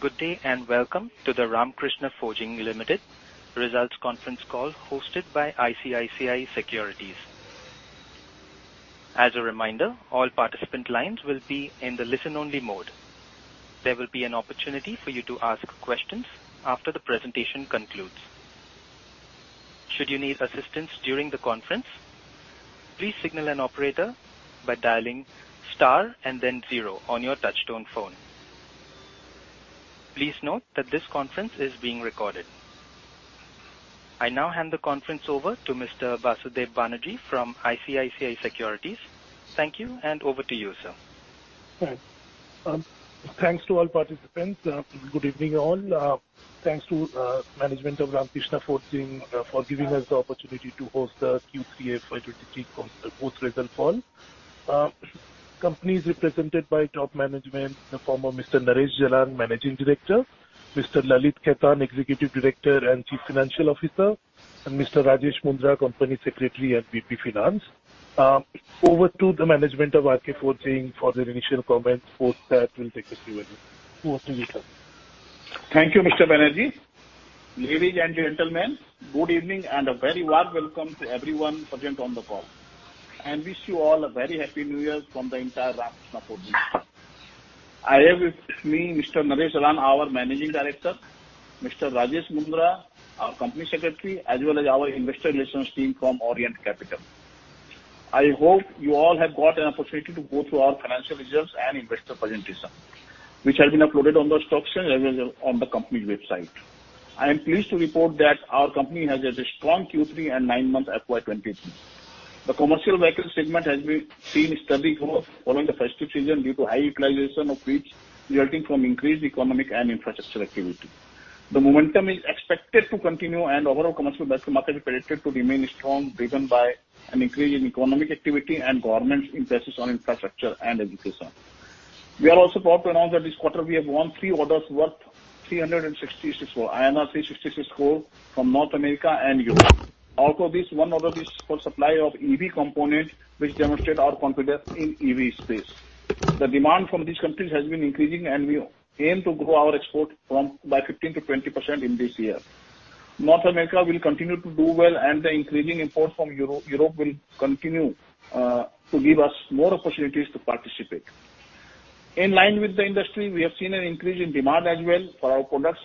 Good day and welcome to the Ramkrishna Forgings Limited Results Conference Call hosted by ICICI Securities. As a reminder, all participant lines will be in the listen-only mode. There will be an opportunity for you to ask questions after the presentation concludes. Should you need assistance during the conference, please signal an operator by dialing star and then zero on your touch-tone phone. Please note that this conference is being recorded. I now hand the conference over to Mr. Basudeb Banerjee from ICICI Securities. Thank you and over to you, sir. Thanks. Thanks to all participants. Good evening all. Thanks to management of Ramkrishna Forgings for giving us the opportunity to host the Q3 FY 2023 post result call. Company is represented by top management in the form of Mr. Naresh Jalan, Managing Director, Mr. Lalit Khetan, Executive Director and Chief Financial Officer, and Mr. Rajesh Mundhra, Company Secretary and VP Finance. Over to the management of Ramkrishna Forgings for their initial comments. Post that we'll take Q&A. Over to you, sir. Thank you, Mr. Banerjee. Ladies and gentlemen, good evening and a very warm welcome to everyone present on the call. I wish you all a very happy new year from the entire Ramkrishna Forgings team. I have with me Mr. Naresh Jalan, our Managing Director, Mr. Rajesh Mundhra, our Company Secretary, as well as our Investor Relations team from Orient Capital. I hope you all have got an opportunity to go through our financial results and investor presentation, which has been uploaded on the stock exchange as well as on the company's website. I am pleased to report that our company has had a strong Q3 and nine-month FY 2023. The commercial vehicle segment has been seen steady growth following the festive season due to high utilization of fleets resulting from increased economic and infrastructure activity. The momentum is expected to continue and overall commercial vehicle market is predicted to remain strong, driven by an increase in economic activity and government's emphasis on infrastructure and education. We are also proud to announce that this quarter we have won three orders worth 366 crore from North America and Europe. Out of these, one order is for supply of EV components which demonstrate our confidence in EV space. The demand from these countries has been increasing, and we aim to grow our export by 15%-20% in this year. North America will continue to do well, and the increasing imports from Europe will continue to give us more opportunities to participate. In line with the industry, we have seen an increase in demand as well for our products,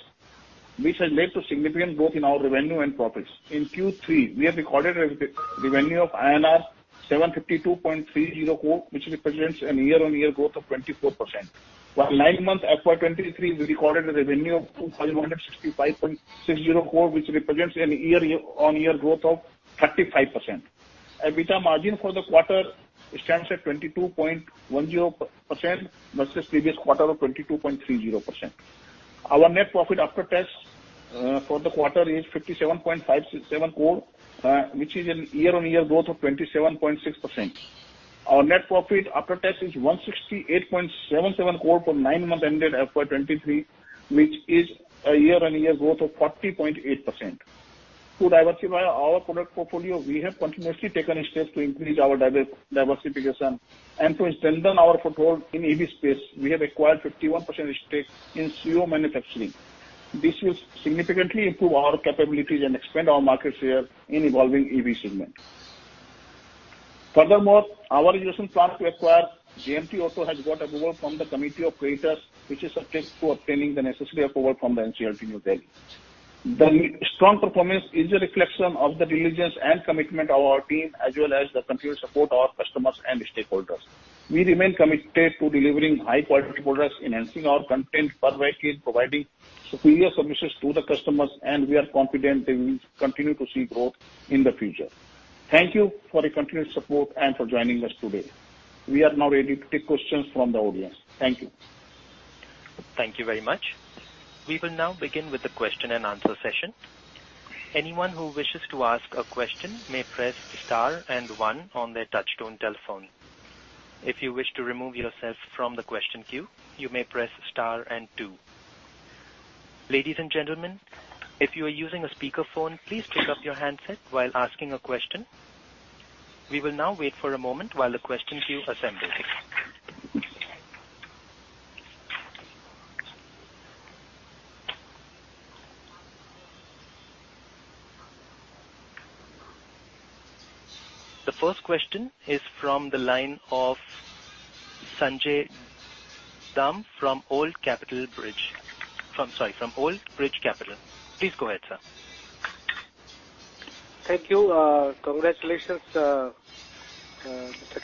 which has led to significant growth in our revenue and profits. In Q3, we have recorded a revenue of INR 752.30 crore, which represents a year-on-year growth of 24%. Nine months FY 2023, we recorded a revenue of 2,165.60 crore, which represents a year-on-year growth of 35%. EBITDA margin for the quarter stands at 22.10% versus previous quarter of 22.30%. Our net profit after tax for the quarter is 57.567 crore, which is a year-on-year growth of 27.6%. Our net profit after tax is 168.77 crore for nine months ended FY 2023, which is a year-on-year growth of 40.8%. To diversify our product portfolio, we have continuously taken steps to increase our diversification and to strengthen our foothold in EV space, we have acquired 51% stake in TSUYO Manufacturing. This will significantly improve our capabilities and expand our market share in evolving EV segment. Our recent plan to acquire JMT Auto has got approval from the Committee of Creditors, which is subject to obtaining the necessary approval from the NCLT, New Delhi. The strong performance is a reflection of the diligence and commitment of our team, as well as the continued support of our customers and stakeholders. We remain committed to delivering high quality products, enhancing our content per vehicle, providing superior services to the customers, and we are confident that we will continue to see growth in the future. Thank you for your continued support and for joining us today. We are now ready to take questions from the audience. Thank you. Thank you very much. We will now begin with the question and answer session. Anyone who wishes to ask a question may press star and one on their touchtone telephone. If you wish to remove yourself from the question queue, you may press star and two. Ladies and gentlemen, if you are using a speakerphone, please pick up your handset while asking a question. We will now wait for a moment while the question queue assembles. The first question is from the line of Sanjay Dam from Old Capital Bridge. From, sorry, from Old Bridge Capital. Please go ahead, sir. Thank you. Congratulations, Mr.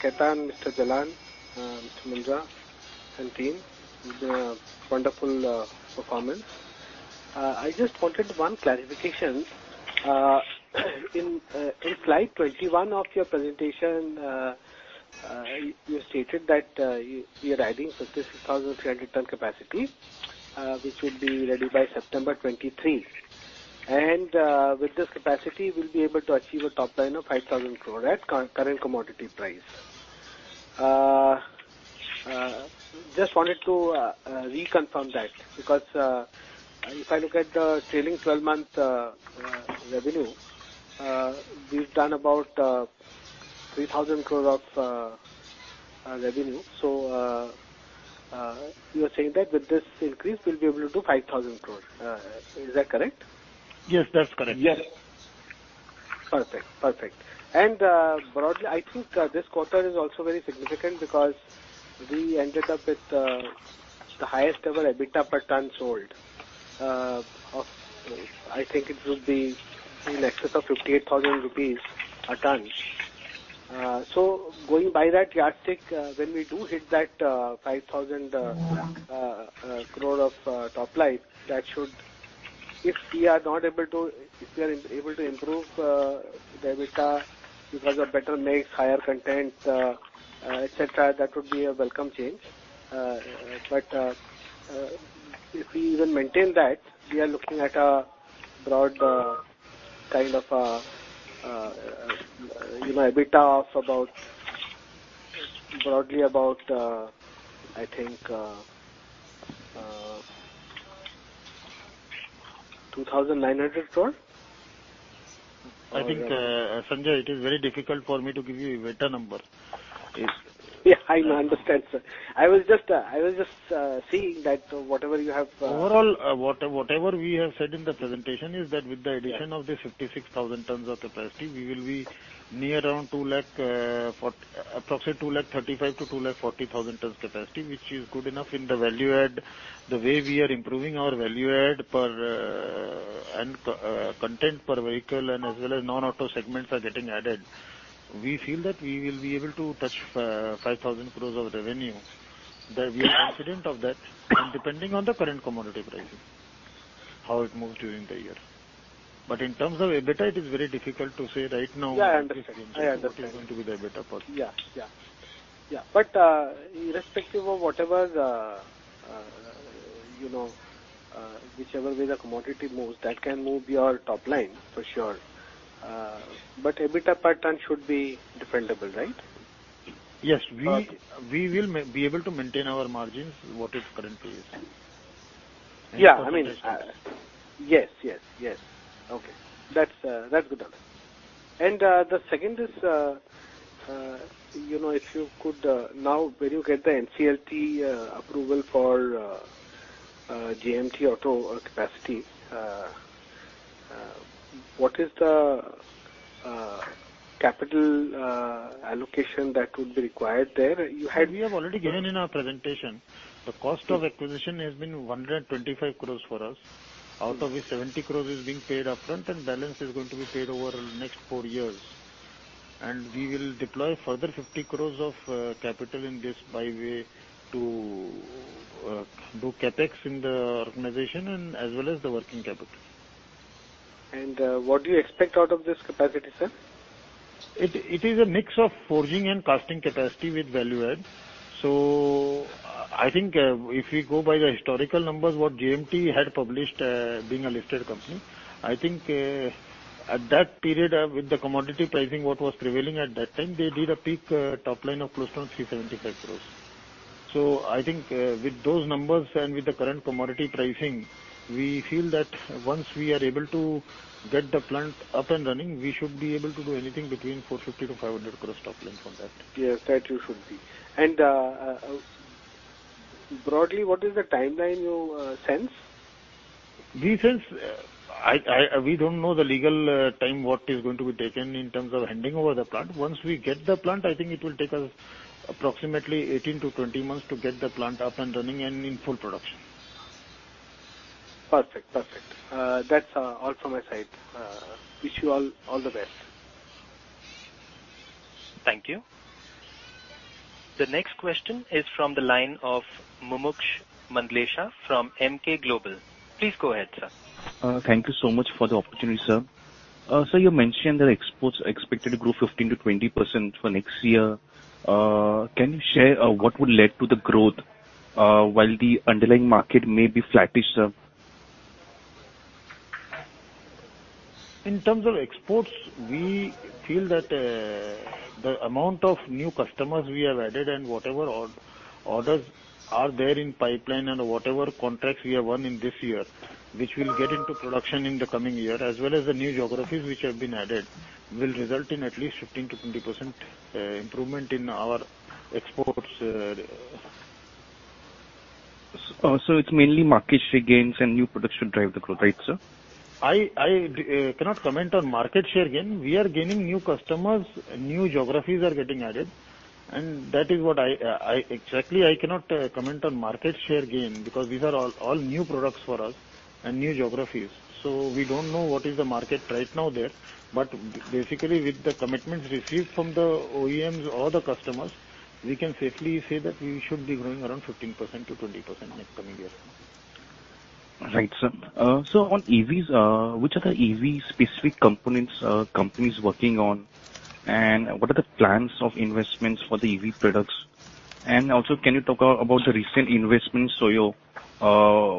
Khetan, Mr. Jalan, Mr. Mundra, and team with the wonderful performance. I just wanted one clarification. In slide 21 of your presentation, you stated that you're adding 36,300 ton capacity, which will be ready by September 2023. With this capacity, you will be able to achieve a top line of 5,000 crore at current commodity price. Just wanted to reconfirm that because if I look at the trailing 12 month revenue, we've done about 3,000 crores of revenue. You are saying that with this increase, we'll be able to do 5,000 crores. Is that correct? Yes, that's correct. Yes. Perfect. Perfect. Broadly, I think, this quarter is also very significant because we ended up with the highest ever EBITDA per ton sold of... I think it would be in excess of 58,000 rupees a ton. Going by that yardstick, when we do hit that 5,000 crore of top line, that should... If we are able to improve the EBITDA because of better mix, higher content, et cetera, that would be a welcome change. If we even maintain that, we are looking at a broad kind of, you know, EBITDA of about, broadly about, I think, 2,900 crore. I think, Sanjay, it is very difficult for me to give you EBITDA number. Yes. Yeah, I understand, sir. I was just seeing that whatever you have. Overall, whatever we have said in the presentation is that with the addition of the 56,000 tons of capacity, we will be near around 235,000-240,000 tons capacity, which is good enough in the value add. The way we are improving our value add per and content per vehicle and as well as non-auto segments are getting added, we feel that we will be able to touch 5,000 crore of revenue. That we are confident of that and depending on the current commodity pricing, how it moves during the year. In terms of EBITDA, it is very difficult to say right now what is going to be the EBITDA for it. Yeah. Yeah. Yeah. Irrespective of whatever the, you know, whichever way the commodity moves, that can move your top line for sure. EBITDA per ton should be defendable, right? Yes. We will be able to maintain our margins what it currently is. Yeah. I mean, yes, yes. Okay. That's a good answer. The second is, you know, if you could, now when you get the NCLT approval for JMT Auto capacity, what is the capital allocation that would be required there? You had- We have already given in our presentation. The cost of acquisition has been 125 crores for us. Out of it, 70 crores is being paid upfront and balance is going to be paid over next four years. We will deploy further 50 crores of capital in this byway to do CapEx in the organization and as well as the working capital. What do you expect out of this capacity, sir? It is a mix of forging and casting capacity with value-add. I think, if we go by the historical numbers, what JMT Auto had published, being a listed company, I think, at that period, with the commodity pricing, what was prevailing at that time, they did a peak, top line of close to 375 crores. I think, with those numbers and with the current commodity pricing, we feel that once we are able to get the plant up and running, we should be able to do anything between 450-500 crores top line from that. Yes, that you should be. Broadly, what is the timeline you sense? We sense. We don't know the legal time, what is going to be taken in terms of handing over the plant. Once we get the plant, I think it will take us approximately 18-20 months to get the plant up and running and in full production. Perfect. Perfect. That's all from my side. Wish you all the best. Thank you. The next question is from the line of Mumuksh Mandlesha from Emkay Global. Please go ahead, sir. Thank you so much for the opportunity, sir. Sir, you mentioned that exports are expected to grow 15%-20% for next year. Can you share, what would lead to the growth, while the underlying market may be flattish, sir? In terms of exports, we feel that, the amount of new customers we have added and whatever orders are there in pipeline and whatever contracts we have won in this year, which will get into production in the coming year, as well as the new geographies which have been added, will result in at least 15%-20% improvement in our exports. It's mainly market share gains and new products should drive the growth, right, sir? I cannot comment on market share gain. We are gaining new customers, new geographies are getting added. That is what I Exactly, I cannot comment on market share gain because these are all new products for us and new geographies. We don't know what is the market right now there. Basically, with the commitments received from the OEMs or the customers, we can safely say that we should be growing around 15%-20% next coming year. Right, sir. On EVs, which are the EV specific components company is working on, and what are the plans of investments for the EV products? Also, can you talk about the recent investments, TSUYO,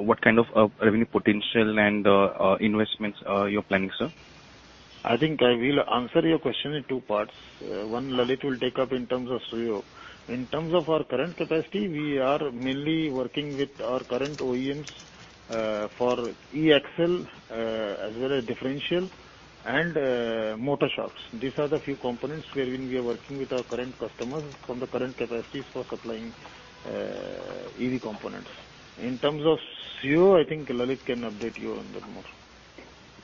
what kind of revenue potential and investments are you planning, sir? I think I will answer your question in two parts. One, Lalit will take up in terms of TSUYO. In terms of our current capacity, we are mainly working with our current OEMs for e-axle, as well as differential and motor shafts. These are the few components wherein we are working with our current customers from the current capacities for supplying EV components. In terms of TSUYO, I think Lalit can update you on that more.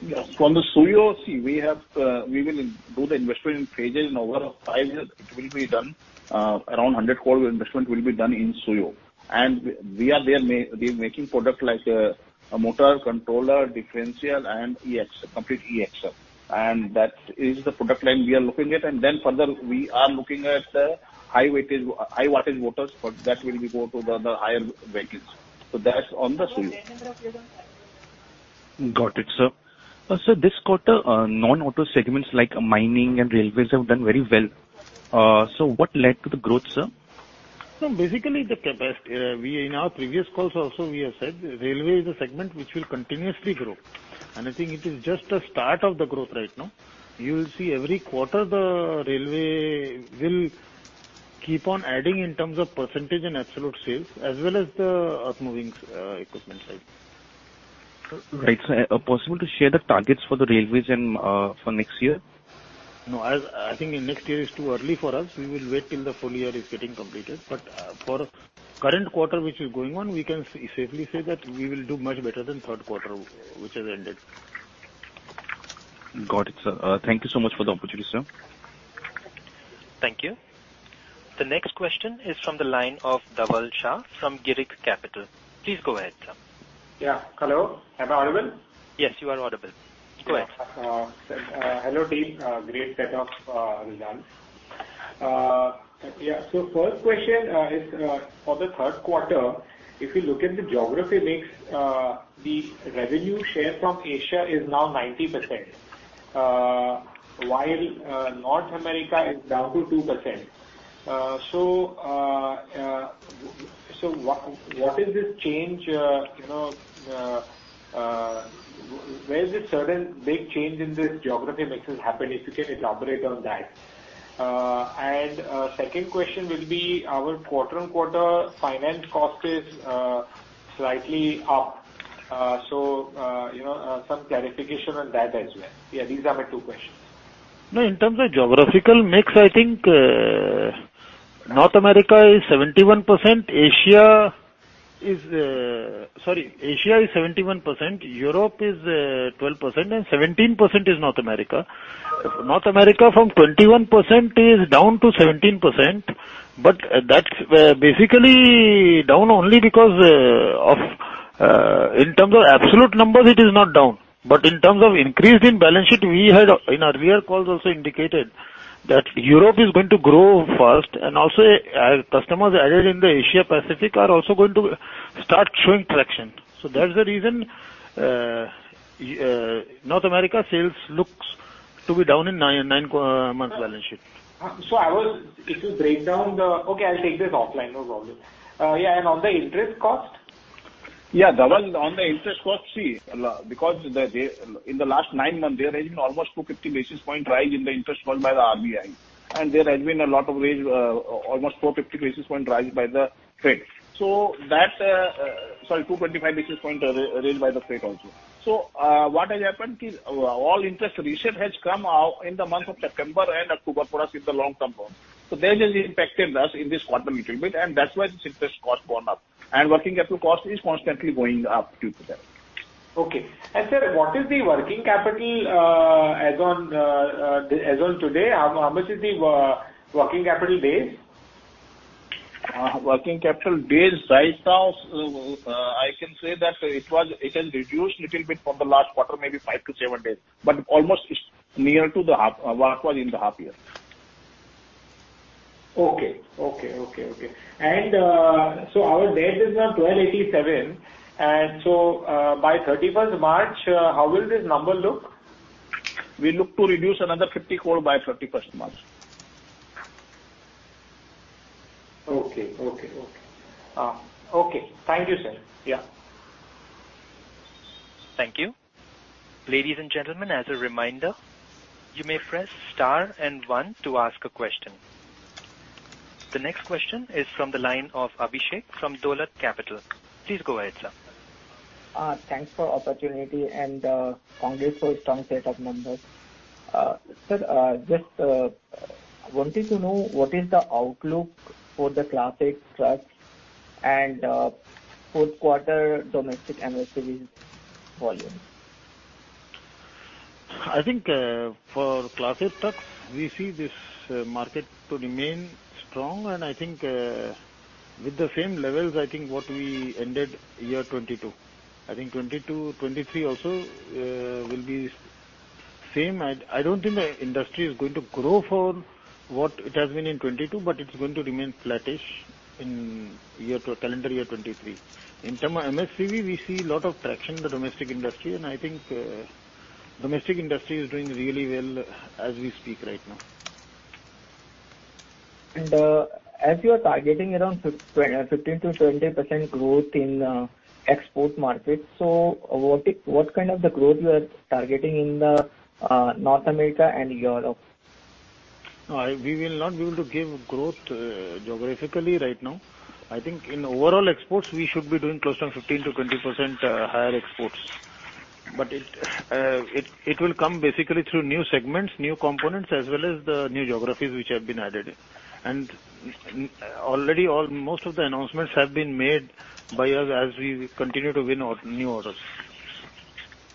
Yes. From the TSUYO, see, we have, we will do the investment in phases. In over five years it will be done, around 100 crore investment will be done in TSUYO. We are there we making product like, motor, controller, differential and e-axle, complete e-axle. That is the product line we are looking at. Further, we are looking at high wattage motors, but that will be go to the higher vehicles. That's on the TSUYO. Got it, sir. Sir, this quarter, non-auto segments like mining and railways have done very well. What led to the growth, sir? Basically, we in our previous calls also we have said railway is a segment which will continuously grow, and I think it is just the start of the growth right now. You will see every quarter the railway will keep on adding in terms of percentage and absolute sales as well as the earth moving equipment side. Right. Possible to share the targets for the railways and for next year? No, as I think next year is too early for us. We will wait till the full year is getting completed, but, for current quarter, which is going on, we can safely say that we will do much better than third quarter which has ended. Got it, sir. Thank you so much for the opportunity, sir. Thank you. The next question is from the line of Dhaval Shah from Girik Capital. Please go ahead, sir. Yeah. Hello, am I audible? Yes, you are audible. Go ahead. Hello team. Great set of results. First question is for the third quarter, if you look at the geography mix, the revenue share from Asia is now 90%, while North America is down to 2%. What is this change, you know, where is this sudden big change in this geography mixes happened, if you can elaborate on that. Second question will be our quarter-on-quarter finance cost is slightly up. You know, some clarification on that as well. These are my two questions. No, in terms of geographical mix, I think, North America is 71%, Asia is, sorry, Asia is 71%, Europe is 12% and 17% is North America. North America from 21% is down to 17%, but that's basically down only because of in terms of absolute numbers, it is not down. But in terms of increase in balance sheet, we had in our earlier calls also indicated that Europe is going to grow first and also as customers added in the Asia Pacific are also going to start showing traction. That's the reason, North America sales looks to be down in nine months balance sheet. Okay, I'll take this offline. No problem. Yeah, on the interest cost? Yeah. Dhaval, on the interest cost, see, because they, in the last nine months, there has been almost 250 basis points rise in the interest rate by the RBI, and there has been a lot of raise, almost 450 basis points rise by the Fed. Sorry, 225 basis points raised by the Fed also. What has happened is, all interest reset has come out in the month of September and October for us in the long-term bond. They just impacted us in this quarter little bit, and that's why this interest cost gone up. Working capital cost is constantly going up due to that. Okay. sir, what is the working capital, as on, as on today? How much is the working capital days? Working capital days right now, I can say that it has reduced little bit from the last quarter, maybe 5 to 7 days, but almost near to the half, what was in the half year. Okay. Okay. Okay, okay. So our debt is now 1,287. By 31st March, how will this number look? We look to reduce another 50 crore by 31st March. Okay, okay. Okay. Thank you, sir. Yeah. Thank you. Ladies and gentlemen, as a reminder, you may press star and one to ask a question. The next question is from the line of Abhishek from Dolat Capital. Please go ahead, sir. Thanks for opportunity, and congrats for strong set of numbers. Sir, just wanted to know what is the outlook for the Class 8 trucks and fourth quarter domestic MHCV volume. I think, for classic trucks, we see this market to remain strong, and I think, with the same levels, I think what we ended year 2022. I think 2022, 2023 also will be same. I don't think the industry is going to grow for what it has been in 2022, but it's going to remain flattish in calendar year 2023. In term of MHSV, we see lot of traction in the domestic industry, and I think, domestic industry is doing really well as we speak right now. As you are targeting around 15%-20% growth in export market, so what kind of the growth you are targeting in the North America and Europe? No, we will not be able to give growth, geographically right now. I think in overall exports, we should be doing close to 15%-20% higher exports. It will come basically through new segments, new components as well as the new geographies which have been added in. Already most of the announcements have been made by us as we continue to win new orders.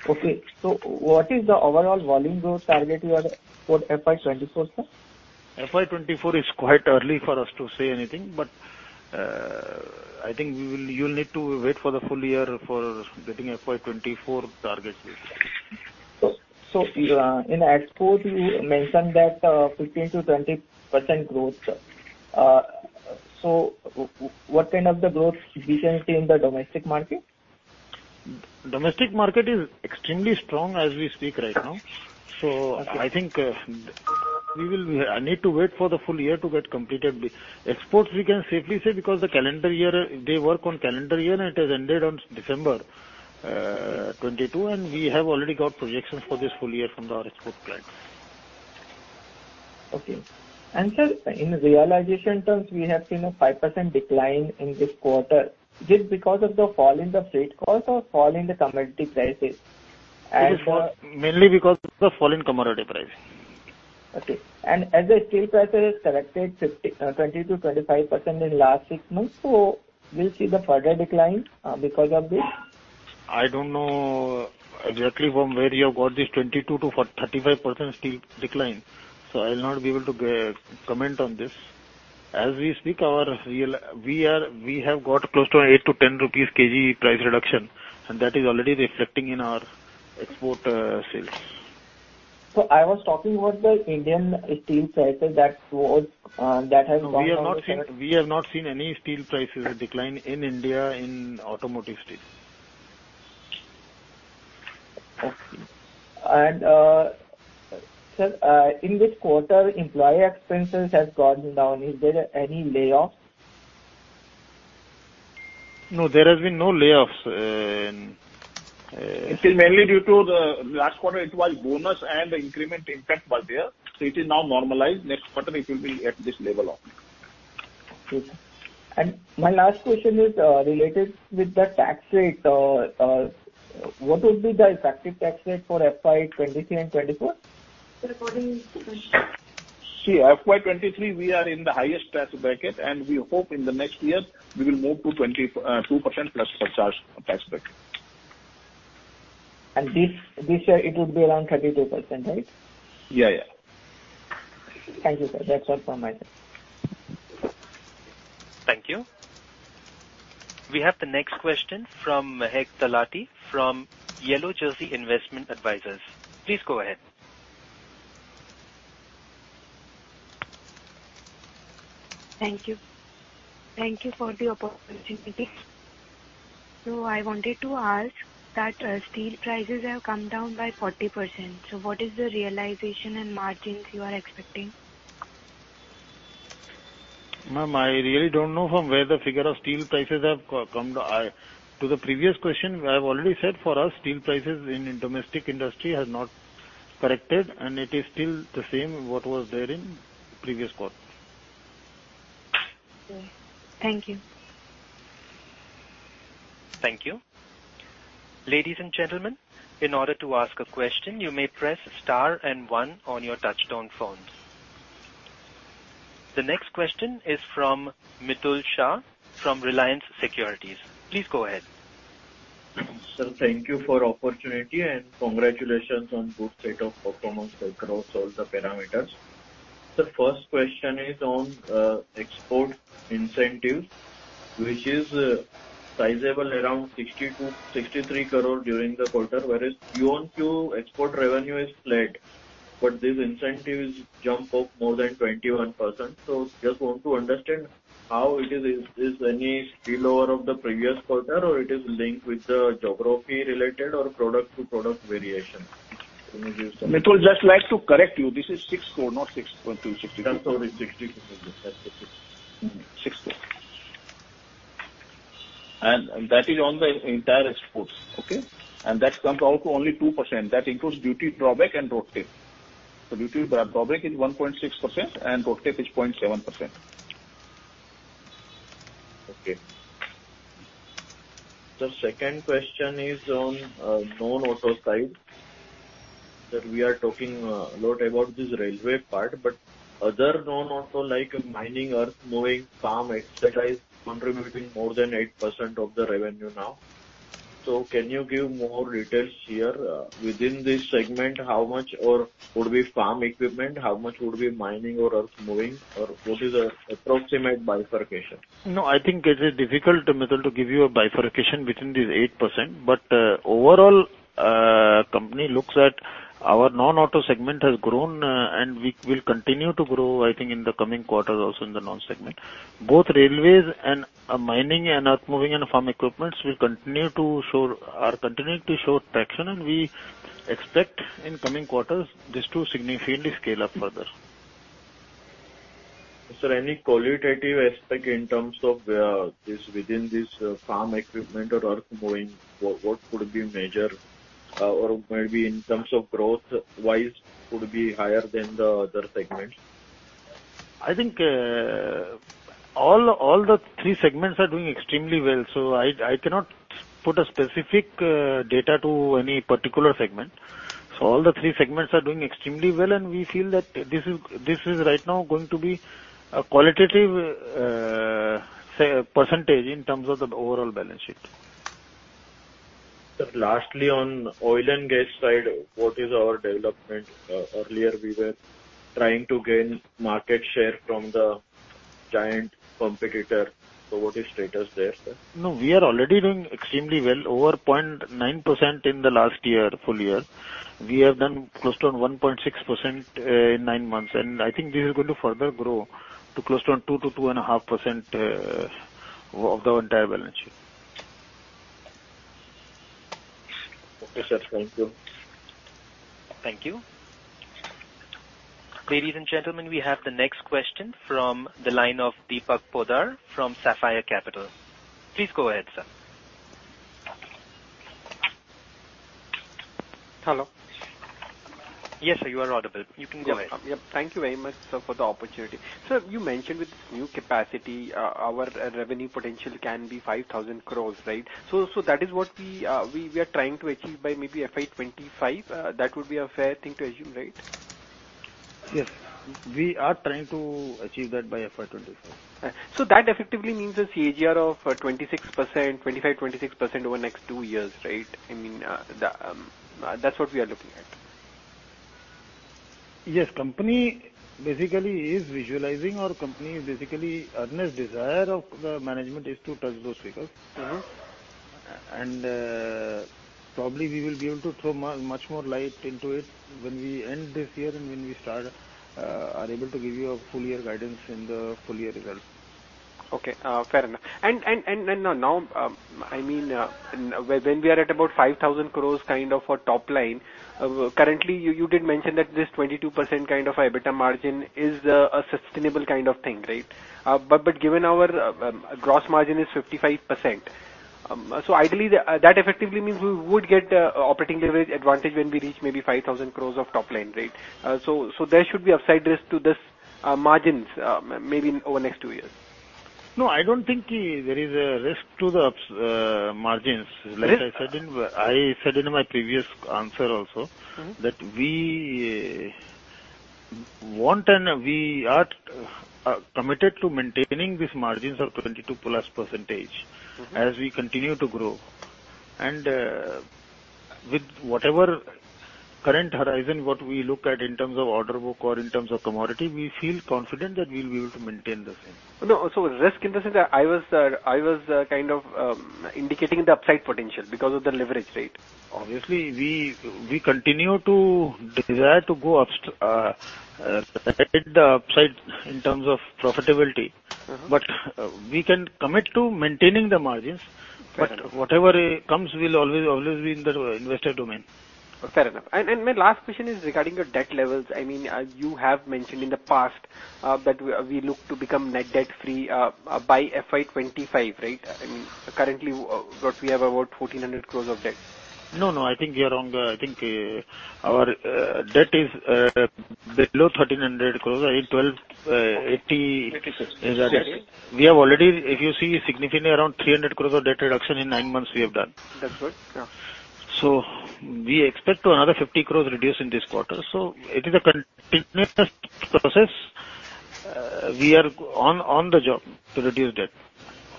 Okay. What is the overall volume growth target you have for FY 2024, sir? FY 2024 is quite early for us to say anything, but, I think you'll need to wait for the full year for getting FY 2024 targets. In exports you mentioned that, 15%-20% growth. What kind of the growth we can see in the domestic market? Domestic market is extremely strong as we speak right now. Okay. I think we will need to wait for the full year to get completed. Exports we can safely say because the calendar year, they work on calendar year and it has ended on December 2022, and we have already got projections for this full year from our export clients. Okay. Sir, in realization terms, we have seen a 5% decline in this quarter just because of the fall in the freight cost or fall in the commodity prices? Mainly because of the fall in commodity prices. Okay. As the steel prices corrected 50, 20%-25% in last six months, so we'll see the further decline, because of this? I don't know exactly from where you have got this 22%-35% steel decline. I'll not be able to comment on this. As we speak, we have got close to 8-10 rupees kg price reduction, and that is already reflecting in our export sales. I was talking about the Indian steel sector that was, that has gone down a bit. No, we have not seen any steel prices decline in India in automotive steel. Okay. Sir, in this quarter, employee expenses has gone down. Is there any layoffs? No, there has been no layoffs. It is mainly due to the last quarter it was bonus and the increment impact was there, so it is now normalized. Next quarter it will be at this level only. Okay. My last question is related with the tax rate. What will be the effective tax rate for FY 2023 and 2024? Recording. FY 2023 we are in the highest tax bracket, and we hope in the next year we will move to 22%+ or charge tax bracket. This year it will be around 32%, right? Yeah, yeah. Thank you, sir. That's all from my side. Thank you. We have the next question from Mahek Talati from Yellow Jersey Investment Advisors. Please go ahead. Thank you. Thank you for the opportunity. I wanted to ask that, steel prices have come down by 40%, so what is the realization and margins you are expecting? Ma'am, I really don't know from where the figure of steel prices have come. To the previous question, I've already said for us steel prices in domestic industry has not corrected, and it is still the same what was there in previous quarters. Okay. Thank you. Thank you. Ladies and gentlemen, in order to ask a question, you may press star and one on your touch-tone phones. The next question is from Mitul Shah from Reliance Securities. Please go ahead. Sir, thank you for opportunity and congratulations on good state of performance across all the parameters. Sir, first question is on export incentives, which is sizable around 60-63 crore during the quarter, whereas QoQ export revenue is flat, but these incentives jump up more than 21%. Just want to understand how it is. Is any spillover of the previous quarter or it is linked with the geography related or product-to-product variation? Can you give some- Mitul, just like to correct you, this is 6 crore, not 6.60. That's what, 60? 6 crore. That is on the entire exports. Okay? That comes out to only 2%. That includes duty drawback and road tax. Duty drawback is 1.6% and road tax is 0.7%. Okay. The second question is on non-auto side. That we are talking a lot about this railway part, but other non-auto like mining, earth moving, farm equipment is contributing more than 8% of the revenue now. Can you give more details here within this segment, how much or would be farm equipment, how much would be mining or earth moving or what is the approximate bifurcation? No, I think it is difficult, Mitul, to give you a bifurcation within this 8%. Overall, company looks at our non-auto segment has grown, and we will continue to grow, I think, in the coming quarters also in the non-segment. Both railways and mining and earth moving and farm equipments are continuing to show traction, and we expect in coming quarters this to significantly scale up further. Sir, any qualitative aspect in terms of, this within this farm equipment or earthmoving, what could be major or maybe in terms of growth-wise could be higher than the other segments? I think, all the three segments are doing extremely well, so I cannot put a specific data to any particular segment. All the three segments are doing extremely well, and we feel that this is right now going to be a qualitative, say, percentage in terms of the overall balance sheet. Sir, lastly, on oil and gas side, what is our development? Earlier we were trying to gain market share from the giant competitor. What is status there, sir? No, we are already doing extremely well, over 0.9% in the last year, full year. We have done close to 1.6% in nine months. I think this is going to further grow to close to 2%-2.5% of the entire balance sheet. Okay, sir. Thank you. Thank you. Ladies and gentlemen, we have the next question from the line of Deepak Poddar from Sapphire Capital. Please go ahead, sir. Hello. Yes, sir, you are audible. You can go ahead. Yes. Thank you very much, sir, for the opportunity. Sir, you mentioned with this new capacity, our revenue potential can be 5,000 crores, right? That is what we are trying to achieve by maybe FY 2025. That would be a fair thing to assume, right? Yes. We are trying to achieve that by FY 2025. That effectively means a CAGR of 26%, 25%, 26% over the next two years, right? I mean, the that's what we are looking at. Yes. Company basically is visualizing or company basically earnest desire of the management is to touch those figures. Mm-hmm. Probably we will be able to throw much more light into it when we end this year and when we start, are able to give you a full year guidance in the full year results. Okay, fair enough. Now, I mean, when we are at about 5,000 crores kind of a top line, currently you did mention that this 22% kind of EBITDA margin is a sustainable kind of thing, right? Given our gross margin is 55%, so ideally that effectively means we would get operating leverage advantage when we reach maybe 5,000 crores of top line, right? There should be upside risk to this margins maybe over the next two years. No, I don't think there is a risk to the margins. Risk? Like I said in my previous answer also. Mm-hmm. -that we want and we are committed to maintaining these margins of 22%+. Mm-hmm. as we continue to grow. With whatever current horizon, what we look at in terms of order book or in terms of commodity, we feel confident that we'll be able to maintain the same. Risk in the sense I was, kind of, indicating the upside potential because of the leverage rate. Obviously, we continue to desire to go hit the upside in terms of profitability. Mm-hmm. We can commit to maintaining the margins. Fair enough. Whatever comes will always be in the investor domain. Fair enough. My last question is regarding the debt levels. I mean, you have mentioned in the past that we look to become net debt-free by FY 25, right? I mean, currently what we have about 1,400 crores of debt. No, no, I think you are wrong. I think our debt is below 1,300 crores, right? 1,280 crores. 86. We have already, if you see, significantly around 300 crores of debt reduction in nine months we have done. That's good. Yeah. We expect to another 50 crore reduce in this quarter. It is a continuous process. We are on the job to reduce debt.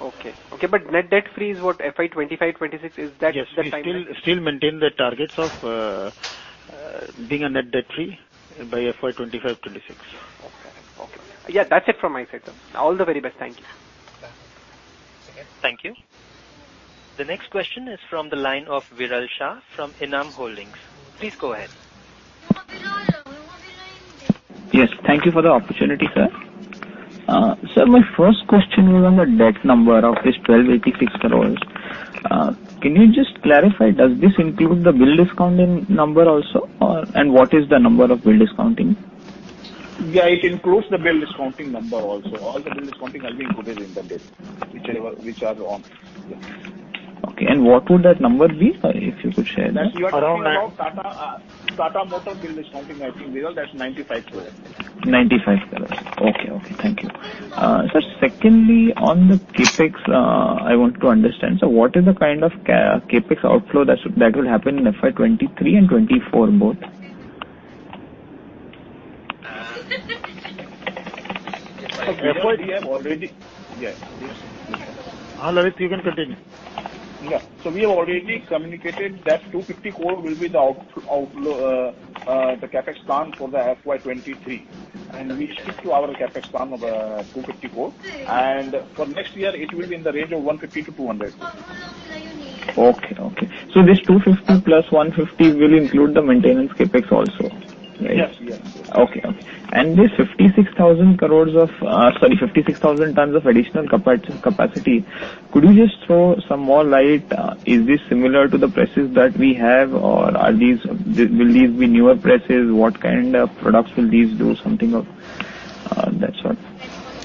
Okay. Okay, net debt-free is what FY 2025, 2026 is that the timeline? Yes. We still maintain the targets of being a net debt-free by FY 2025-2026. Okay. Okay. Yeah, that's it from my side, sir. All the very best. Thank you. Okay. Thank you. The next question is from the line of Viral Shah from ENAM Holdings. Please go ahead. Yes, thank you for the opportunity, sir. Sir, my first question was on the debt number of this 1,286 crores. Can you just clarify, does this include the bill discounting number also? What is the number of bill discounting? Yeah, it includes the bill discounting number also. All the bill discounting has been included in the debt, whichever, which are on, yes. Okay. What would that number be, if you could share that? That's around- Around- Tata Motors bill discounting, I think, Viral, that's 95 crores. 95 crores. Okay. Okay. Thank you. Sir, secondly, on the CapEx, I want to understand, sir, what is the kind of CapEx outflow that should, that will happen in FY 2023 and 2024 both? We have already... Yes, please. Lalit, you can continue. Yeah. We have already communicated that 250 crore will be the outflow, the CapEx plan for the FY 2023. We stick to our CapEx plan of 250 crore. For next year, it will be in the range of 150 crore-200 crore. Okay. Okay. This 250 plus 150 will include the maintenance CapEx also, right? Yes. Yes. Okay. Okay. This 56,000 crores of, sorry, 56,000 tonnes of additional capacity Could you just throw some more light? Is this similar to the presses that we have or will these be newer presses? What kind of products will these do? Something of that sort.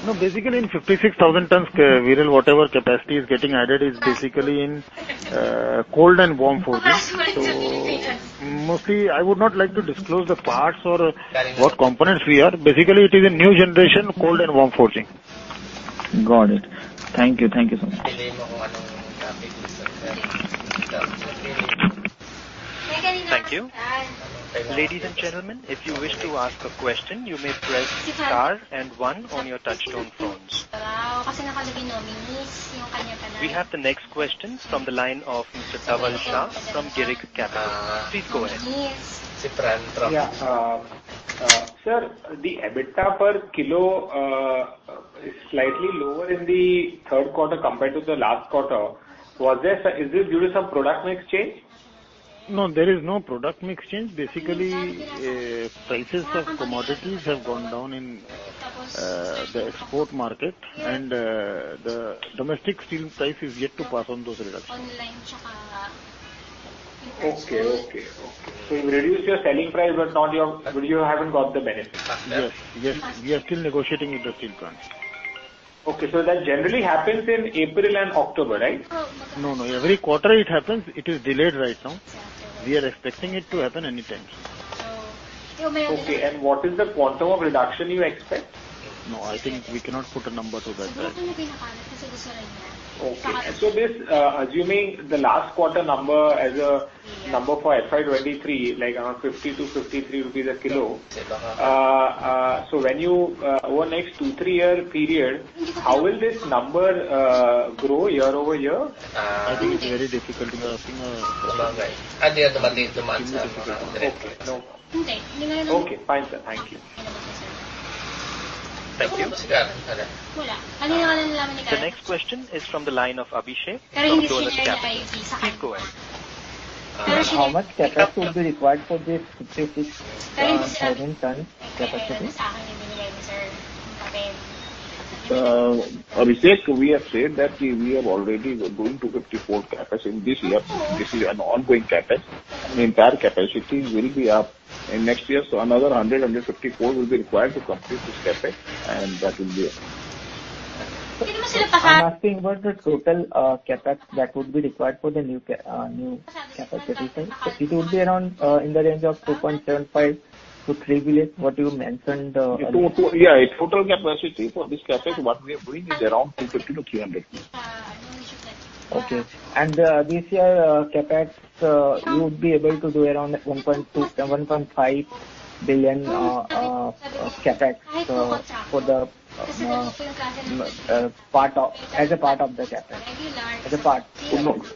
No, basically in 56,000 tons, Viral whatever capacity is getting added is basically in cold and warm forging. Mostly I would not like to disclose the parts or what components we are. Basically, it is a new generation cold and warm forging. Got it. Thank you. Thank you so much. Thank you. Ladies and gentlemen, if you wish to ask a question, you may press star and one on your touchtone phones. We have the next question from the line of Mr. Dhaval Shah from Girik Capital. Please go ahead. Yeah. Sir, the EBITDA per kilo is slightly lower in the third quarter compared to the last quarter. Is this due to some product mix change? No, there is no product mix change. Basically, prices of commodities have gone down in the export market and the domestic steel price is yet to pass on those reductions. Okay. Okay. Okay. You reduced your selling price, but not your... but you haven't got the benefit from that. Yes. Yes. We are still negotiating with the steel plants. Okay. That generally happens in April and October, right? No, no. Every quarter it happens. It is delayed right now. We are expecting it to happen anytime. Okay. What is the quantum of reduction you expect? No, I think we cannot put a number to that right now. Okay. This, assuming the last quarter number as a number for FY 2023, like around 50-53 rupees a kilo, when you, over next 2-3 year period, how will this number, grow year-over-year? I think it's very difficult to estimate. Okay. It's very difficult to estimate. Okay. No problem. Okay, fine, sir. Thank you. Thank you. The next question is from the line of Abhishek from Dolat Capital. Please go ahead. How much CapEx would be required for this 56, 7 tons capacity? Abhishek, we have said that we are already going to 54 CapEx in this year. This is an ongoing CapEx. The entire capacity will be up in next year. Another 154 will be required to complete this CapEx, and that will be it. I'm asking what the total CapEx that would be required for the new capacity thing. It would be around in the range of 2.75 billion-3 billion what you mentioned. Total capacity for this CapEx, what we are doing is around 250 crores-300 crores. Okay. this year, CapEx, you would be able to do around 1.2 billion-1.5 billion CapEx as a part of the CapEx.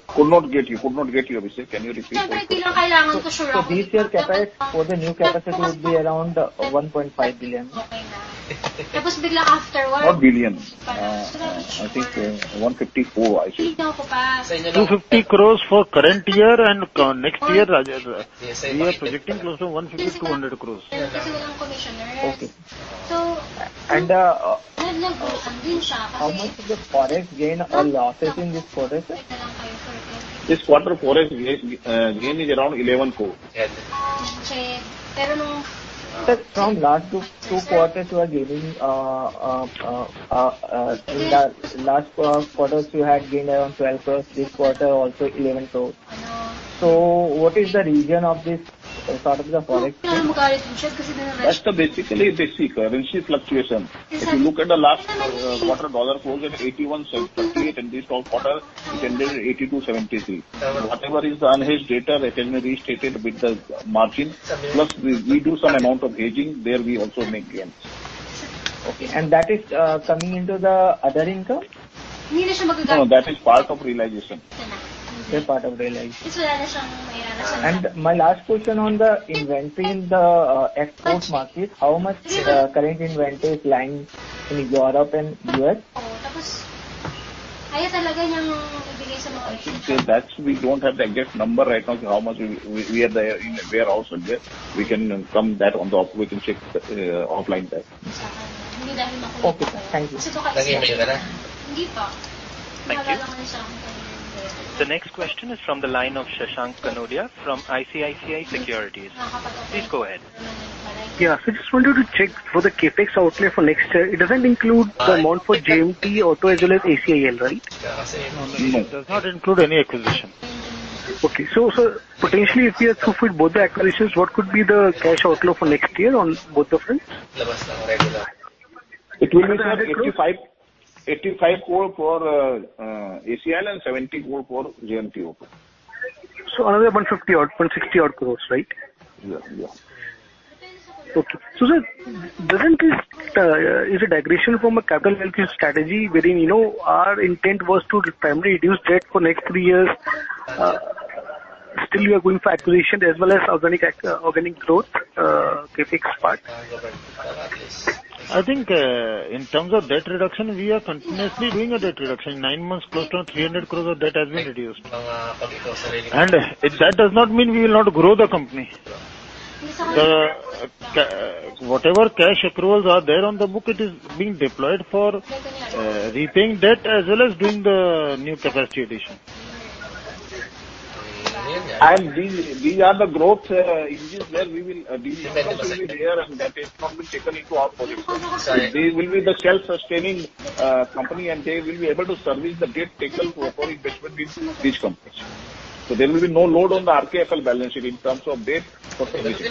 Could not get you. Could not get you, Abhishek. Can you repeat? This year CapEx for the new capacity would be around $1.5 billion. Not billion. I think, 154 I should say. 250 crores for current year and next year, we are projecting close to 150-200 crores. Okay. How much is the forex gain or losses in this quarter, sir? This quarter forex gain is around INR 11 crore. Sir, from last two quarters you are gaining, in the last quarters you had gained around 12 crore, this quarter also 11 crore. What is the reason of this sort of the forex gain? That's the basically basic currency fluctuation. If you look at the last quarter, dollar closed at 81.38, and this quarter it ended at 82.73. Whatever is the unhedged data, that has been restated with the margin. Plus we do some amount of hedging. There we also make gains. Okay. That is coming into the other income? No, that is part of realization. Okay, part of realization. My last question on the inventory in the export market, how much current inventory is lying in Europe and U.S.? That's we don't have the exact number right now. How much we have there in the warehouse and where. We can come back on that. We can check offline that. Okay, thank you. Thank you. The next question is from the line of Shashank Kanodia from ICICI Securities. Please go ahead. Yeah. Just wanted to check for the CapEx outlay for next year. It doesn't include the amount for JMT Auto as well as ACIL, right? No, no. It does not include any acquisition. Okay. sir, potentially if you have to fill both the acquisitions, what could be the cash outflow for next year on both the front? It will be around 85 crore for ACIL and 70 crore for JMT Auto. Another 150 or 160 odd crores, right? Yeah, yeah. Okay. sir, doesn't this, is a degradation from a capital healthy strategy wherein, you know, our intent was to primarily reduce debt for next three years, still you are going for acquisition as well as organic growth, CapEx part? I think, in terms of debt reduction, we are continuously doing a debt reduction. Nine months close to 300 crores of debt has been reduced. That does not mean we will not grow the company. The whatever cash accruals are there on the book, it is being deployed for repaying debt as well as doing the new capacity addition. These are the growth engines where we will be there and that is not been taken into our portfolio. They will be the self-sustaining company, and they will be able to service the debt taken to acquire investment in these companies. There will be no load on the RKFL balance sheet in terms of debt for service.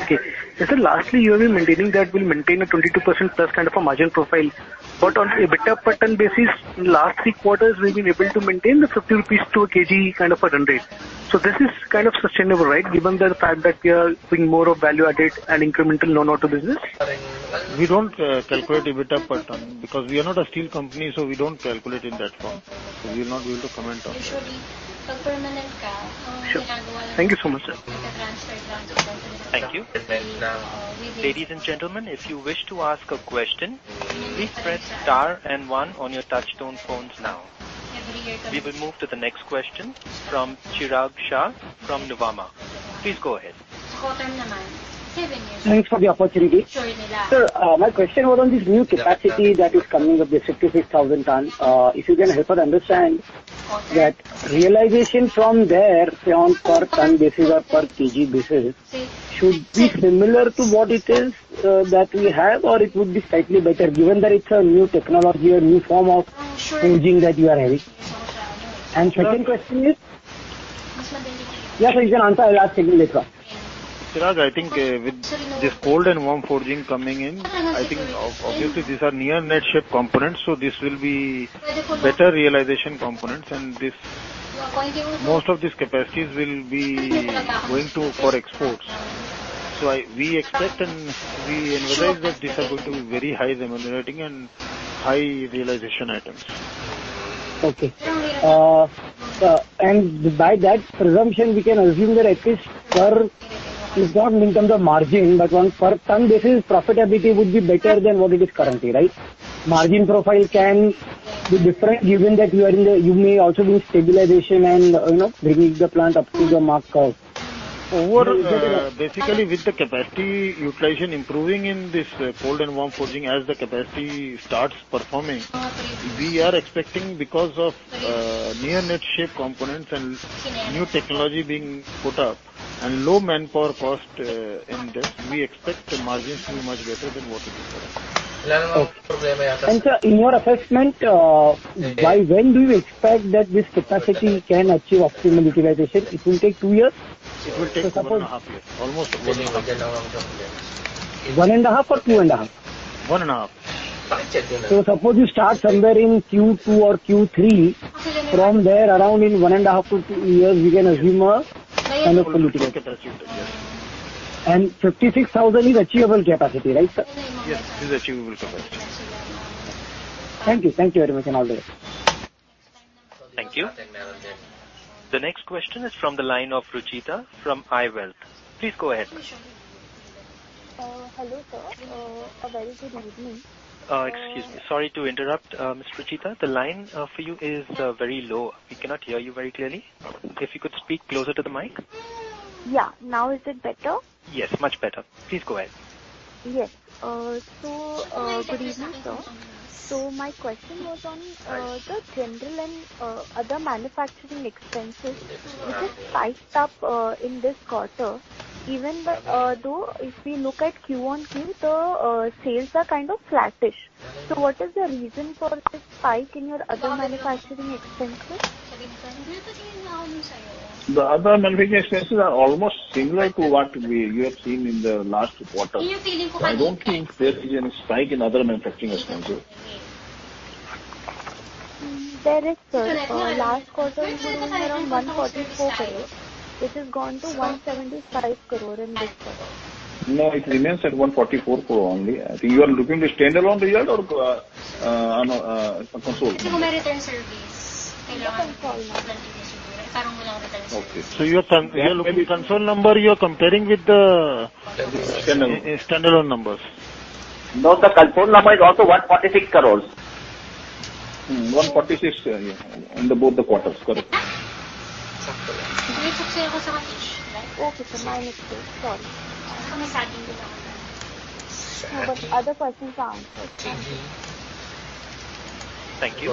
Okay. Sir, lastly, you have been maintaining that we'll maintain a 22%+ kind of a margin profile. On EBITDA per ton basis, in last three quarters we've been able to maintain the 50 rupees to a kg kind of a run rate. This is kind of sustainable, right? Given the fact that we are doing more of value-added and incremental know not to business. We don't calculate EBITDA per ton because we are not a steel company, so we don't calculate in that form. We're not able to comment on that. Sure. Thank you so much, sir. Thank you. Ladies and gentlemen, if you wish to ask a question, please press star and one on your touch-tone phones now. We will move to the next question from Chirag Shah from Nuvama. Please go ahead. Thanks for the opportunity. Sir, my question was on this new capacity that is coming up, the 56,000 ton. If you can help us understand that realization from there, say, on per ton basis or per kg basis should be similar to what it is, that we have or it would be slightly better given that it's a new technology or new form of forging that you are having. Second question is... Yes, you can answer, I'll ask second later. Chirag, I think, with this cold and warm forging coming in, I think obviously these are near-net shape components, so this will be better realization components. This, most of these capacities will be going to for exports. I, we expect and we analyze that these are going to be very high remunerating and high realization items. Okay. By that presumption, we can assume that at least per, it's not in terms of margin, but on per ton basis profitability would be better than what it is currently, right? Margin profile can be different given that you are in the... You may also do stabilization and, you know, bringing the plant up to the mark curve. Over, basically with the capacity utilization improving in this cold and warm forging as the capacity starts performing, we are expecting because of, near net shape components and new technology being put up and low manpower cost, in this, we expect the margins to be much better than what it is currently. Okay. Sir, in your assessment, by when do you expect that this capacity can achieve optimal utilization? It will take two years? It will take one and a half years. Almost one and a half years. One and a half or two and a half? One and a half. Suppose you start somewhere in Q2 or Q3, from there around in one and a half to two years we can assume a kind of full utilization. Achievable, yes. 56,000 is achievable capacity, right, sir? Yes, it is achievable capacity. Thank you. Thank you very much and all the best. Thank you. The next question is from the line of Rucheeta from iWealth. Please go ahead. Hello, sir. A very good evening. Excuse me. Sorry to interrupt, Ms. Rucheeta. The line for you is very low. We cannot hear you very clearly. If you could speak closer to the mic. Yeah. Now is it better? Yes, much better. Please go ahead. Yes. Good evening, sir. My question was on the general and other manufacturing expenses which has spiked up in this quarter, even but though if we look at QoQ, the sales are kind of flattish. What is the reason for this spike in your other manufacturing expenses? The other manufacturing expenses are almost similar to what you have seen in the last quarter. I don't think there is any spike in other manufacturing expenses. There is, sir. Last quarter it was around INR 144 crore, which has gone to INR 175 crore in this quarter. No, it remains at 144 crore only. I think you are looking the standalone result or, I'm consolidated? Okay. You're looking console number, you're comparing with the? Standalone. standalone numbers. No, sir. Consolidated number is also 146 crores. 146, yeah, in the both the quarters. Correct. Okay, sir. My mistake. Sorry. Other person's answer. Thank you.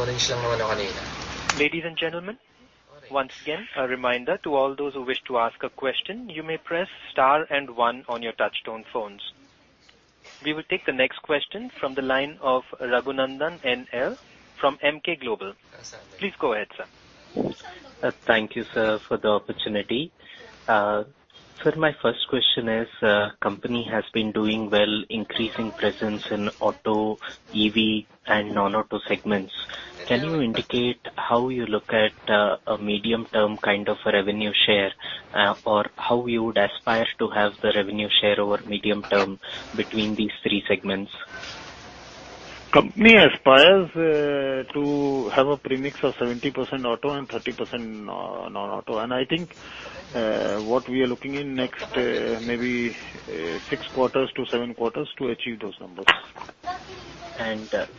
Ladies and gentlemen, once again, a reminder to all those who wish to ask a question, you may press star and one on your touch-tone phones. We will take the next question from the line of Raghunandhan NL from Emkay Global. Please go ahead, sir. Thank you, sir, for the opportunity. Sir, my first question is, company has been doing well increasing presence in auto, EV and non-auto segments. Can you indicate how you look at, a medium-term kind of a revenue share, or how you would aspire to have the revenue share over medium term between these three segments? Company aspires to have a premix of 70% auto and 30% non-auto. I think what we are looking in next, maybe, 6-7 quarters to achieve those numbers.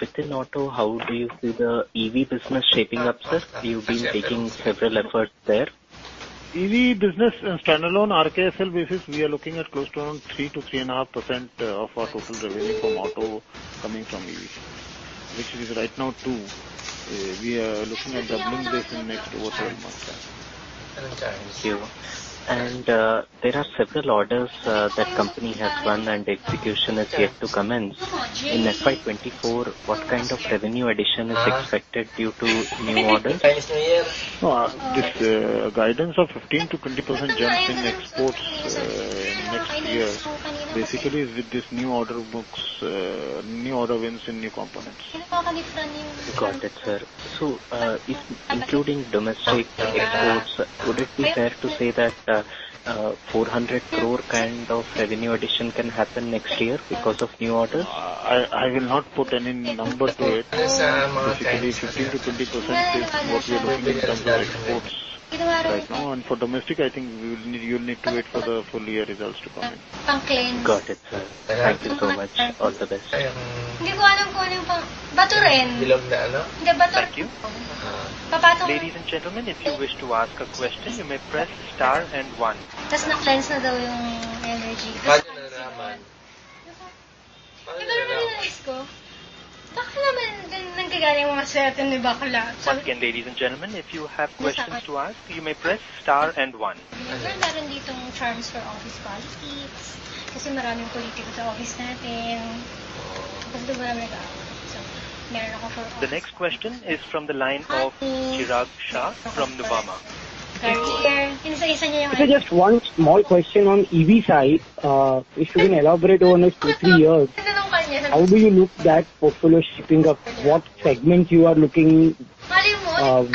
Within auto, how do you see the EV business shaping up, sir? You've been taking several efforts there. EV business in standalone RKFL basis, we are looking at close to around 3%-3.5% of our total revenue from auto coming from EV, which is right now 2%. We are looking at doubling this in next over 12 months time. Thank you. There are several orders, that company has won and execution is yet to commence. In FY 2024, what kind of revenue addition is expected due to new orders? No, this guidance of 15%-20% jump in exports, in next years basically is with this new order books, new order wins and new components. Got it, sir. Including domestic exports, would it be fair to say that 400 crore kind of revenue addition can happen next year because of new orders? I will not put any number to it. Basically, 15%-20% is what we are looking in terms of exports right now. For domestic, I think you'll need to wait for the full year results to come in. Got it, sir. Thank you so much. All the best. Thank you. Ladies and gentlemen, if you wish to ask a question, you may press star and one. Once again, ladies and gentlemen, if you have questions to ask, you may press star and one. The next question is from the line of Chirag Shah from Nuvama. Maybe just one small question on EV side. If you can elaborate over the next 2-3 years, how do you look that portfolio shaping up? What segments you are looking?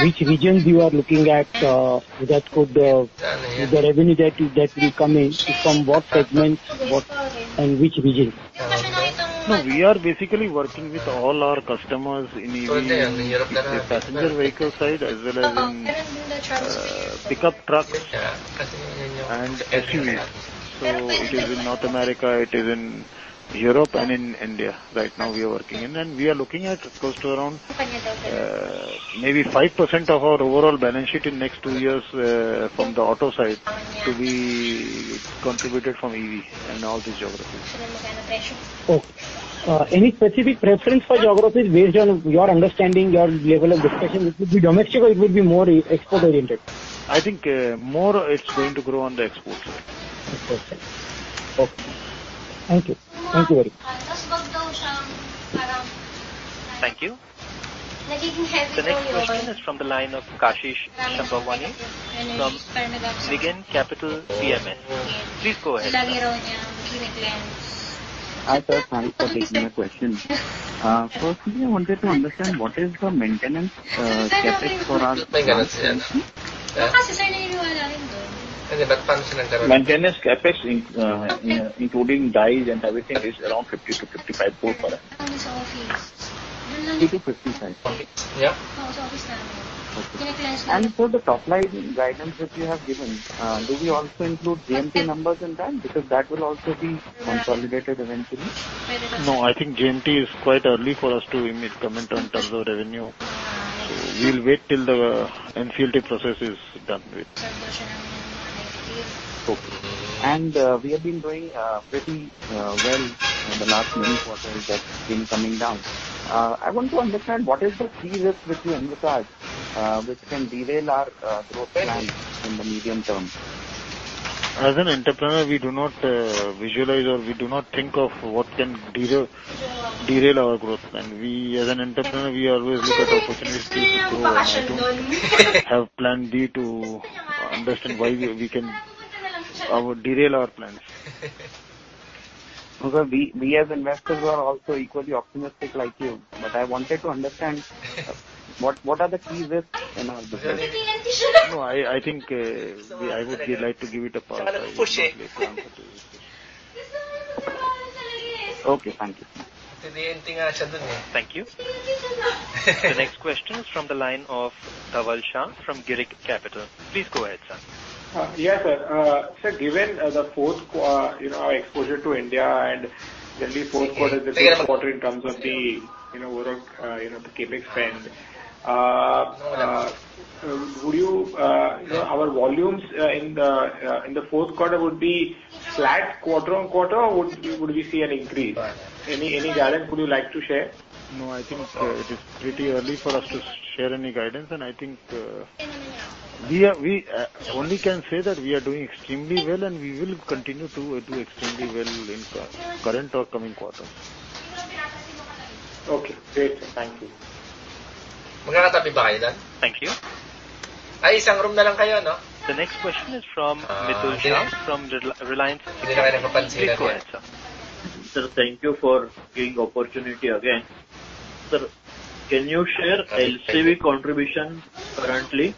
Which regions you are looking at, that could, the revenue that will come in from what segments, what and which regions? We are basically working with all our customers in EV, it's a passenger vehicle side as well as in pickup trucks and SUVs. It is in North America, it is in Europe and in India right now we are working in. We are looking at close to around, maybe 5% of our overall balance sheet in next two years, from the auto side to be contributed from EV and all these geographies. Okay. Any specific preference for geographies based on your understanding, your level of discussion? It would be domestic or it would be more export oriented? I think, more it's going to grow on the export side. Okay. Okay. Thank you. Thank you very much. Thank you. The next question is from the line of Kashish Sambhwani from Negen Capital PMS. Please go ahead. Hi, sir. Thanks for taking my question. Firstly, I wanted to understand what is the maintenance CapEx for us in manufacturing? Maintenance CapEx inc, including dyes and everything is around 50-IRN 55 crore. 50-55. Okay. Yeah. Okay. For the top-line guidance that you have given, do we also include JMT numbers in that? Because that will also be consolidated eventually. No, I think JMT is quite early for us to emit comment in terms of revenue. We'll wait till the NCLT process is done with. Okay. We have been doing pretty well in the last many quarters that's been coming down. I want to understand what is the key risk which you envisage which can derail our growth plans in the medium term? As an entrepreneur, we do not visualize or we do not think of what can derail our growth plan. We as an entrepreneur, we always look at opportunities to grow and I don't have plan B to understand why we can derail our plans. No, sir. We as investors are also equally optimistic like you, but I wanted to understand what are the key risks in our business? No, I think I would like to give it a pass. I wouldn't like to comment on it. Okay, thank you. Thank you. The next question is from the line of Dhaval Shah from Girik Capital. Please go ahead, sir. Yes, sir. Sir, given the fourth, you know, exposure to India and generally fourth quarter is the peak quarter in terms of the, you know, overall, you know, the CapEx spend, would you know, our volumes in the fourth quarter would be flat quarter-on-quarter or would we see an increase? Any guidance would you like to share? No, I think, it is pretty early for us to share any guidance, and I think, we only can say that we are doing extremely well, and we will continue to do extremely well in current or coming quarters. Okay, great. Thank you. Thank you. The next question is from Mitul Shah from Reliance. Please go ahead, sir. Sir, thank you for giving opportunity again. Sir, can you share LCV contribution currently?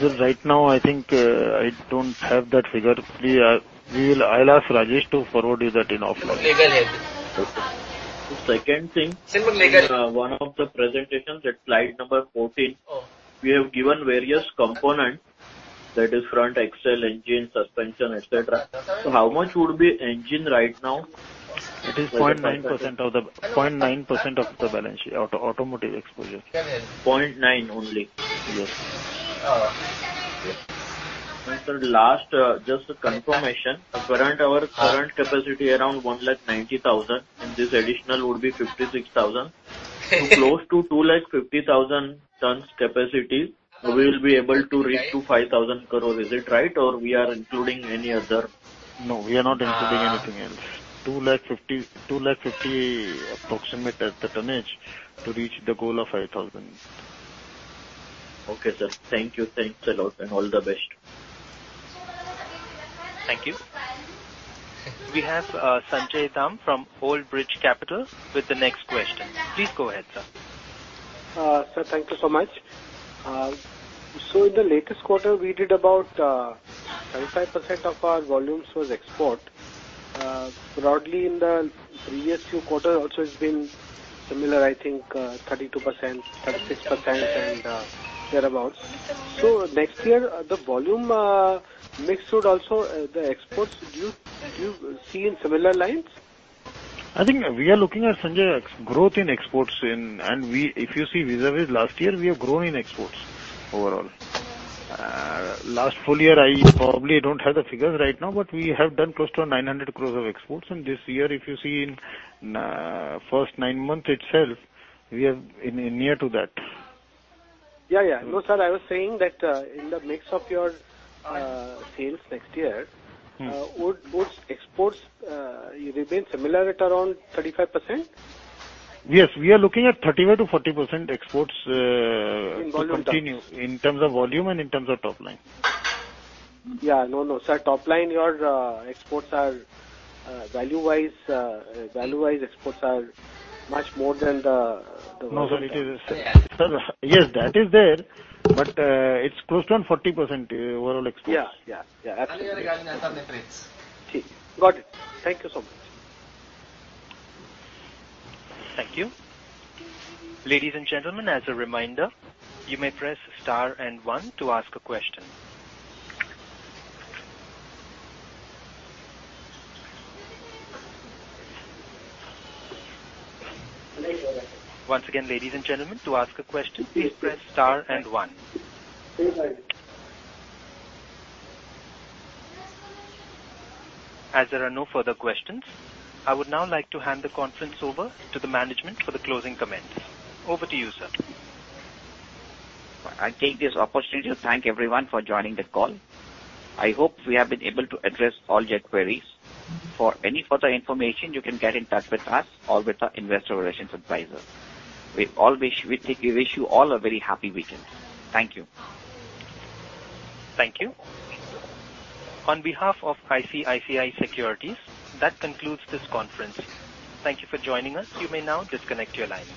Sir, right now I think, I don't have that figure. I'll ask Rajesh to forward you that in offline. Okay. The second thing- Simple In, one of the presentations at slide number 14. Oh. We have given various component that is front axle, engine, suspension, et cetera. How much would be engine right now? It is 0.9% of the balance sheet automotive exposure. 0.9 only. Yes. Oh, okay. Sir, last, just a confirmation. Current capacity around 1,90,000, and this additional would be 56,000. Close to 2,50,000 tons capacity, we will be able to reach to 5,000 crore. Is it right or we are including any other? No, we are not including anything else. 250,000, 250,000 approximate as the tonnage to reach the goal of 5,000. Okay, sir. Thank you. Thanks a lot and all the best. Thank you. We have Sanjay Dam from Old Bridge Capital with the next question. Please go ahead, sir. Sir, thank you so much. In the latest quarter, we did about, 25% of our volumes was export. Broadly in the previous two quarters also it's been similar, I think, 32%, 36% and, thereabout. Next year, the volume, mix would also, the exports, do you see in similar lines? I think we are looking at, Sanjay, growth in exports in... If you see vis-à-vis last year, we have grown in exports overall. Last full year, I probably don't have the figures right now, but we have done close to 900 crores of exports. This year, if you see in, first nine month itself, we are in, near to that. Yeah, yeah. No, sir, I was saying that, in the mix of your, sales next year- Mm. Would exports remain similar at around 35%? Yes. We are looking at 35%-40% exports. In volume terms. To continue. In terms of volume and in terms of top line. No, no. Sir, top line, your exports are value-wise, value-wise exports are much more than the. No, sir. Sir, yes, that is there, but it's close to 40% overall exports. Yeah. Yeah. Yeah. Absolutely. Got it. Thank you so much. Thank you. Ladies and gentlemen, as a reminder, you may press star and one to ask a question. Once again, ladies and gentlemen, to ask a question, please press star and one. As there are no further questions, I would now like to hand the conference over to the management for the closing comments. Over to you, sir. I take this opportunity to thank everyone for joining the call. I hope we have been able to address all your queries. For any further information, you can get in touch with us or with our investor relations advisor. We wish you all a very happy weekend. Thank you. Thank you. On behalf of ICICI Securities, that concludes this conference. Thank you for joining us. You may now disconnect your lines.